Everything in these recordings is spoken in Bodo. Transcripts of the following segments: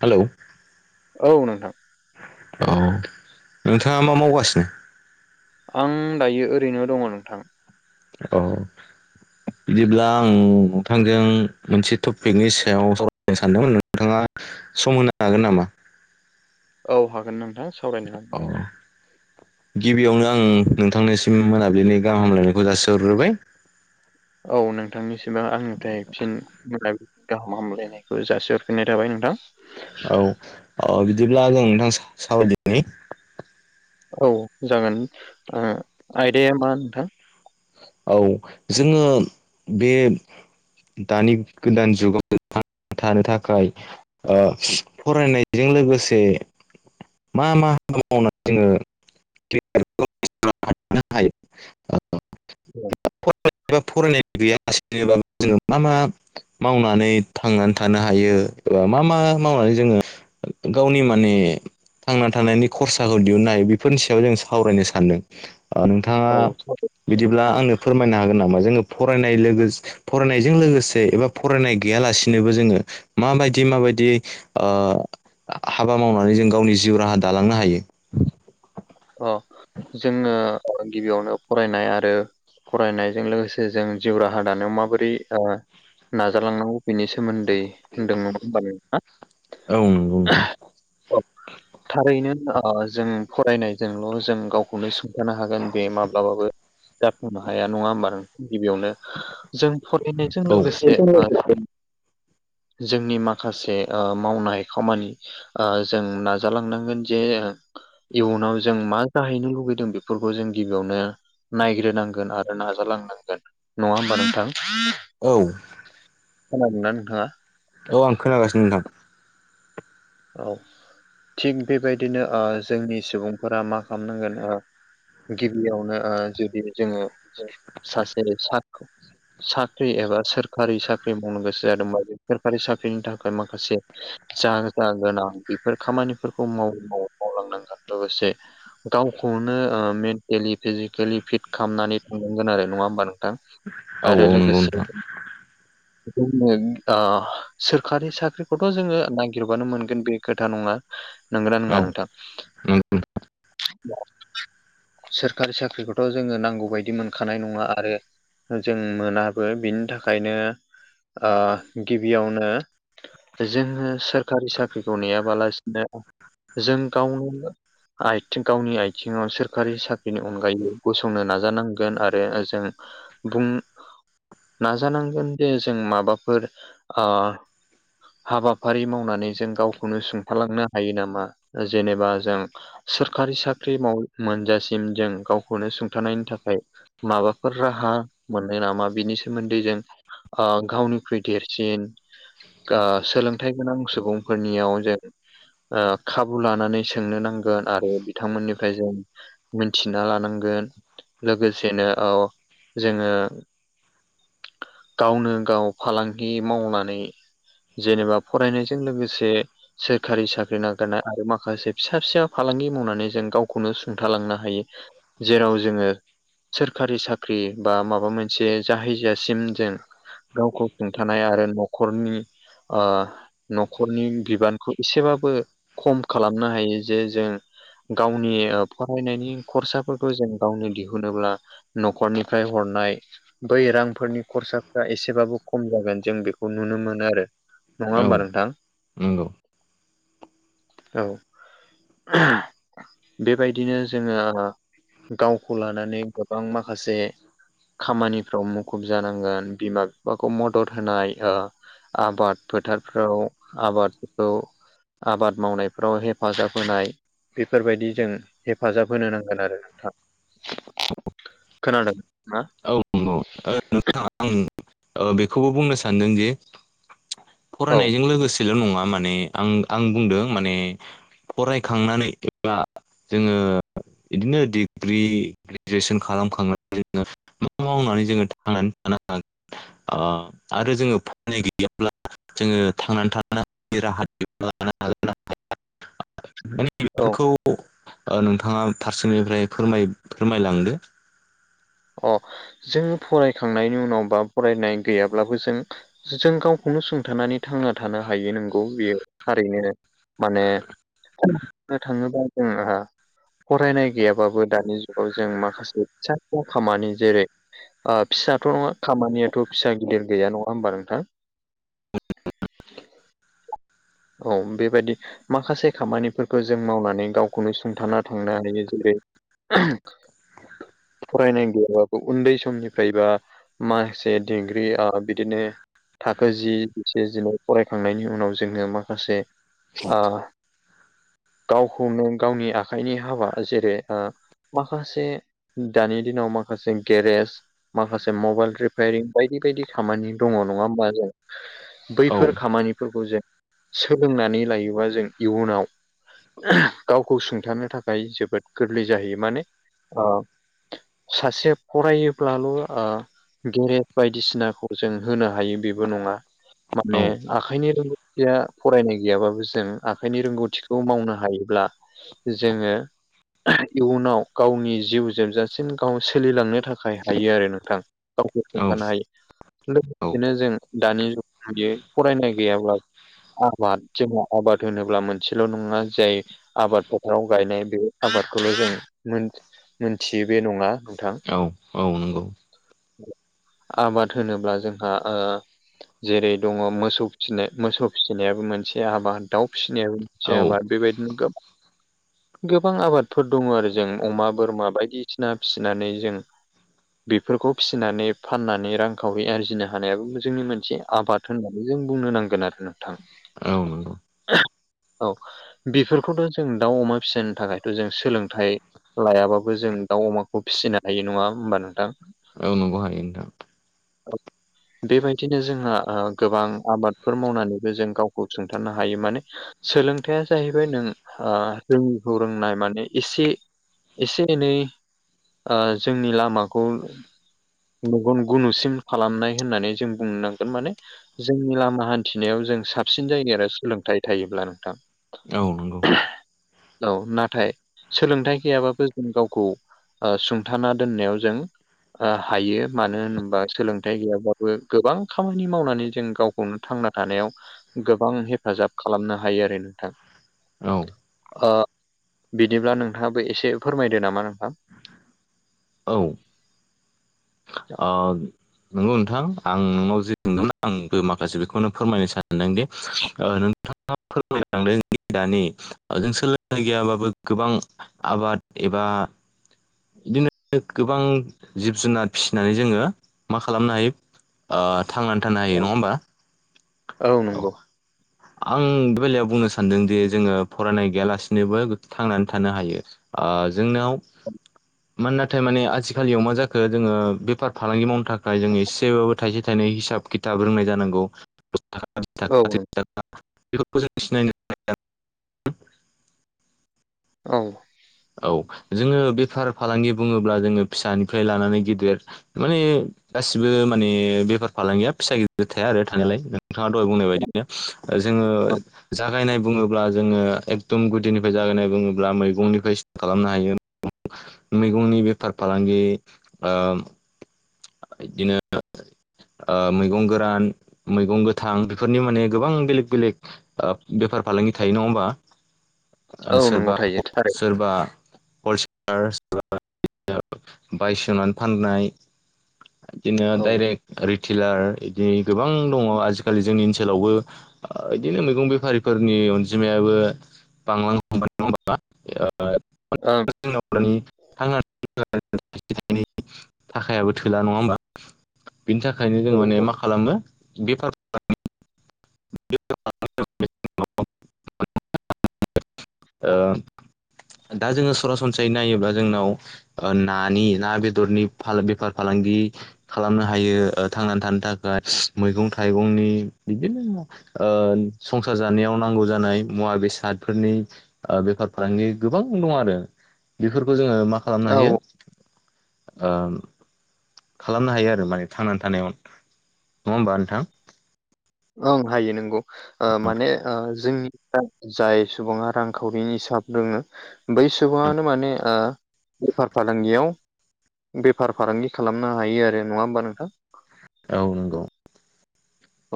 हेलौ औ नोंथां औ नोंथाङा मा मावगासिनो आं दायो ओरैनो दङ नोंथां औ बिदिब्ला आं नोंथांजों मोनसे टपिकनि सायाव सावरायनो सानदोंमोन नोंथाङा सम होनो हागोन नामा औ हागोन नोंथां सावरायनो हागोन औ नोंथां गिबियावनो आं नोंथांनिसिम मोनाबिलिनि गाहाम हामलायनायखौ जासिहरग्रोबाय औ नोंथांनिसिमबो आंनिफ्राय फिन मोन [unintelligible] गाहाम हामलायनायखौ जासिहरग्रोनाय थाबाय नोंथां औ-औ बिदिब्ला जों नोंथां सावरायदिनि औ जागोन आयदाया मा नोंथां औ जोङो बे दानि गोदान जुगाव नोंथां [unintelligible] थानो थाखाय ओ फरायनायजों लोगोसे मा मा हाबा मावनानै जोङो [unintelligible] नाथाय [unintelligible] औ [unintelligible] फरायनाय गैया लासिनो जोङो मा मा मावनानै थांनानै थानो हायो एबा मा मा मावनानै जोङो गावनि माने थांना थानायनि खरसाखौ दिहुननो हायो बेफोरनि सायाव जों सावरायनो सानदों नोंथाङा औ बिदिब्ला नोंथां आंनो फोरमायनो हागोन नामा जोङो फरायनाय लोगो फरायनायजों लोगोसे एबा फरायनाय गैयालासिनोबो जोङो माबायदि माबायदि आ हाबा मावनानै जों गावनि जिउ राहा दालांनो हायो अ जोङो गिबियावनो फरायनाय आरो फरायनायजों लोगोसे जों जिउ राहा दानायाव माबोरै नाजालांनांगौ बेनि सोमोन्दै होनदों नङा होमबा नोंथाङा औ नंगौ नोंथां औ थारैनो ओ जों फरायनायजोंल' जों गाव खौनो सुंथानो हागोन बे माब्लाबाबो जाफुंनो हाया नङा होमबा नोंथां गिबियावनो जों फरायनायजों औ लोगोसे ओ [inaudible] जोंनि माखासे ओ मावनाय खामानि ओ जों नाजालांनांगोन जे इयुनाव जों मा जाहैनो लुुबैदों बेफोरखौ जों गिबियावनो नायग्रोनांगोन आरो नाजालांनांगोन नङा होमबा नोंथां औ खोनादोंमोन ना नोंथाङा औ आं खोनागासिनो नोंथां औ थिग बेबायदिनो ओ जोंनि सुबुंफोरा मा खालामनांगोन ओ गिबियावनो जुदि जोङो सासे सा [inaudible] साख्रि एबा सोरखारि साख्रि मावनो गोसो जादोंबा बे सोरखारि साख्रिनि थाखाय माखासे जा गोनां बेफोर खामानिफोरखौ मावै मावै मावलांनांगोन लोगोसे गावखौनो मेन्टेलि फिजिकेलि फिट खालामनानै थांनांगोन आरो नङा होमबा नों थां औ आरो औ नंगौ लोगोसे नोंथां [unintelligible] ओ सोरखारि साख्रिखौथ' जोङो नागि गिरबानो मोनगोन बे खोथा नङा नंगौना औ नङा नोंथां [inaudible] सोरखारि साख्रिखौथ' जोङो नांगौ बायदि मोनखानाय नङा आरो जों मोनाबो बिनि थाखायनो ओ गिबियावनो जोङो सोरखारि साख्रिखौ नेयाबालासिनो जों गावनो आयथिं गावनि आथिङाव सोरखारि साख्रिनि अनगायै गसंनो नाजानांगोन आरो जों बुंं नाजानांगोन जे जों माबाफोर ओ हाबाफारि माव माने जों गावखौनो सुंथालांनो हायो नामा जेनेबा जों सोरखारि साख्रि माव मोनजासिम जों गावखौनो सुंथानायनि थाखाय माबाफोर राहा मोनो नामा बिनि सोमोन्दै जों ओ गावनिख्रुइ देरसिन ओ सोलोंथाइ गोनां सुबुंफोरनियाव जों ओ खाबु लानानै सोंनो नांगोन आरो बिथांमोननिफ्राय जों मिथिना लानांगोन लोगोसेनो औ जोङो गावनो गाव फालांगि मावनानै जेनेबा फरायनाय लोगोसे सोरखारि साख्रि नागिरनाय आरो माखासे फिसा फिसा फालांगि मावनानै जों गावखौनो सुंथालांनो हायो जेराव जोङो सोरखारि साख्रि बा माबा मोनसे जाहैजासिम जों गावखौ सुंथानाय आरो न'खरनि ओ न'खरनि बिबानखौ एसेबाबो खम खालामनो हायो जे जों गावनि फरायनायनि खरसाफोरखौ जों गावनो दिहुनोब्ला न'खरनिफ्राय हरनाय बै रांफोरनि खरसाफ्रा एसेबाबो खम जागोन जों बेखौ नुनो मोनो आरो नङा नंगौ औ होमबा नों नंगौ औ बेबायदिनो जोङो गावखौ लानानै गोबां माखासे खामानिफ्राव मुखुब जानांगोन बिमा बिफाखौ मदद होनाय ओ आबाद फोथारफ्राव आबादफोरखौ आबाद मावनायफ्राव हेफाजाब होनाय बेफोरबायदि जों हेफाजाब होनो नांगोन आरो [unintelligible] खोनादोंना औ नंगौ नोंथां आं बेखौबो बुंनो सानदोंदि औ फरायनायजों लोगोसेल' नङा माने आं आं बुंदों माने फरायखांनानै एबा जोङो इदिनो डिग्रि ग्रेजुवेसन खालामखांनानै जोङो मा मावनानै जोङो थांनानै थानो हागोन ओ आरो जोङो फरायनाय गैयाब्ला जोङो थांनानै थानो हानायनि राहा दिहुनना लानो हागोन [unintelligible] औ बेफोरखौ औ नोंथाङा फारसेनिफ्राय फोर फोरमायलांदो अ जों फरायखांनायनि उनाव बा फरायनाय गैयाब्लाबो जों जों गावखौनो सुंथानानै थांना थानो हायो नोंगौ बेयो थारैनो माने बुंनो थाङोबा जोंहा फरायनाय गैयाबाबो दानि जुगाव जों माखासे फिसा खामानि जेरै ओ फिसाथ' नङा खामानियाथ' फिसा गिदिर गैया नङा होमबा नोंथां? औ बेबायदि माखासे खामानिफोरखौ जों मावनानै गावखौनो सुंथाना थांनो हायो जेरै फरायनाय गैयाबाबो उन्दै समनिफ्राय बा माखासे दिग्रि ओ बिदिनो थाखो जि जिसे दिनै फरायखांनायनि उनाव जोङो मा खासे ओ गावखौनो गावनि आखाइनि हाबा जेरै ओ माखासे दानि दिनाव माखासे गेरेज माखासे मबाइल रिफायारिं बायदि बायदि खामानि दङ' नङा होमबा जों औ बैफोर खामानिफोरखौ जों सोलोंनानै लायोबा जों इयुनाव गावखौ सुंथानो थाखाय जोबोद गोरलै जाहैयो माने ओ सासे फरायोब्लाल' ओ गेरेज बायदिसिनाखौ जों होनो हायो बेबो नङा औ माने आखाइनि रोंगौथिया फरायनाय गैयाबाबो जों आखाइनि रोंगौथिखौ मावनो हायोब्ला जोङो इयुनाव गावनि जिउ जोबजासिम गाव सोलिलांनो थाखाय हायो आरो नोंथां गावखौ औ सुंथानो हायो औ लोगोसेनो जों दानि जुगाव बिदि फरायनाय गैयाब्लाबो आबाद जों आबाद होनोब्ला मोनसेल' नङा जाय आबाद फोथाराव गायनाय बे आबादखौल' जों मोन मोनथियो बे नङा नोंथां औ औ नंगौ [inaudible] आबाद होनोब्ला जोंहा ओ जेरै दङ' मोसौ फिसिनाय मोसौ फिसिनायाबो मोनसे आबाद दाउ फिसिनायाबो औ मोनसे आबाद बेबायदिनो गोबां गोबां आबादफोर दङ' आरो जों अमा, बोरमा बायदिसिना फिसिनानै जों बेफोरखौ फिसिनानै फाननानै रांखावरि आरजिनो हानायाबो जोंनि मोनसे आबाद होननानै जों बुंनो नांगोन आरो नोंथां औ नंगौ औ बेफोरखौनो जों दाउ अमा फिसनो थाखायथ' जों सोलोंथाइ लायाबाबो जों दाउ अमाखौ फिसिनो हायो नङा होमबा नोंथां? औ नंगौ हायो नोंथां बेबायदिनो जोंहा ओ गोबां आबादफोर मावनानै जों गावखौ सुंथानो हायो माने सोलोंथाइया जाहैबाय नों ओ रोङिखौ रोंनाय माने एसे इसे एनै ओ जोंनि लामाखौ मेगन गुनुसिम खालामनाय होननानै जों बुंनांगोन माने जोंनि लामा हान्थिनायाव जों साबसिन जायो आरो सोलोंथाइ थायोब्ला नोंथां औ नंगौ औ नाथाय सोलोंथाइ गैयाबाबो जों गावखौ ओ सुंथाना दोननायाव जों ओ हायो मानो होनोबा सोलोंथाइ गैयाबाबो गोबां खामानि मावनानै जों गावखौनो थांना थानायाव गोबां हेफाजाब खालामनो हायो आरो नोंथां औ ओ बिदिब्ला नोंथाङाबो एसे फोरमायदो नामा नोंथां औ ओ नंगौ नोंथां आं नोंनाव जे बुंदों आंबो माखासे बेखौनो फोरमायनो सानदोंदि ओ नोंथाङा फोरमायलांदों दानि जों सोलोंथाइ गैयाबाबो गोबां आबाद एबा बिदिनो गोबां जिब-जुनार फिसिनानै जोङो मा खालामनो हायो ओ थांनानै थानो हायो औ नङा होमबा? औ नंगौ आं बे बेलायाव बुंनो सानदों दि जोङो फरायनाय गैयालासिनोबो थांनानै थानो हायो। जोंनाव मान नाथाय माने आजिखालियाव मा जाखो जोङो बेफार फालांगि मावनो थाखाय जोङो एसेबाबो थाइसे थाइनै हिसाब खिथाब रोंनाय जानांगौ दस थाखा बिस औ थाखा त्रिस नंगौ थाखा बेफोरखौ जों सिनायनो औ औ जोङो बेफार फालांगि बुङोब्ला जोङो फिसानिफ्राय लानानै गिदिर माने गासिबो माने बेफार फालांगिया फिसा गिदिर थाया आरो थानायलाय नोंथाङा दहाय बुंनाय बायदिनो जोङो जा जागायनाय बुङोब्ला जोङो एकदम गुदिनिफ्राय जागायनाय बुङोब्ला मैगंनिफ्राय स्टार्ट खालामनो हायो मैगंनि बेफार फालांगि ओ बिदिनो मैगं गोरान मैगं गोथां बेफोरनि माने गोबां बेलेग बेलेग बेफार फालांगि थायो नङा होमबा औ नंगौ सोरबा थायो थारै सोरबा हलसेल [unintelligible] बायसनानै फाननाय बिदिनो औ ओं डाइरेक्ट रिटेलार बिदि गोबां दङ आजिखालि जोंनि ओनसोलावबो बिदिनो मैगं बेफारिफोरनि अनजिमायाबो बांलांनो हमबाय नङा होनबा [unintelligible] थोला नङा होनबा बिनि थाखायनो जों औ माने मा खालामो बेफार [unintelligible] दा जोङो सरासनस्रायै नायोब्ला जोंनाव नानि ना बेदरनि बेफार फालांगि खालामनो हायो थांनानै थानो थाखाय मैगं थाइगंनि बिदिनो संसार जानायाव नांगौ जानाय मुवा बेसादफोरनि बेफार फालांगि गोबां दं आरो बेफोरखौ जोङो मा खालामनो औ हायो ओ खालामनो हायो आरो माने थांनानै थानायाव नङा होमबा नोंथां ओं हायो नंगौ माने जोंनि जाय सुबुङा रांखावरिनि हिसाब रोङो बै सुबुङानो माने बेफार फालांगियाव बेफार फालांगि खालामनो हायो आरो नङा होमबा नोंथां औ नंगौ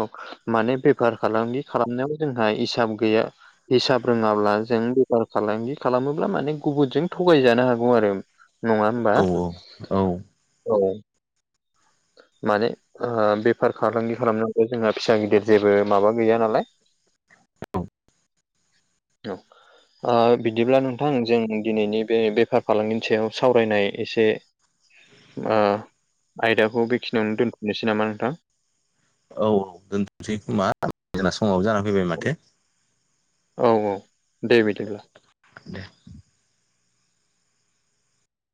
औ माने बेफार फालांगि खालामनायाव जोंहा हिसाब गैया हिसाब रोङाब्ला जों बेफार फालांगि खालामोब्ला माने गुबुनजों थगायजानो हागौ आरो नङा होनबा औ औ औ माने बेफार फालांगि खालामनांगौ जोंहा फिसा गिदिर जेबो माबा गैया नालाय [inaudible] औ ओ बिदिब्ला नोंथां जों दिनैनि बे बेफार फालांगिनि सायाव सावरायनाय एसे आयदाखौ बेखिनियावनो दोनथनोसै नामा नोंथां औ औ दोनथनोसैखोमा जोंना समावो जाना फैबाय माथो औ औ दे बिदिब्ला